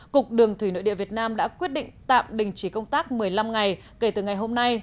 cục đường thủy nội địa việt nam đã quyết định tạm đình chỉ công tác một mươi năm ngày kể từ ngày hôm nay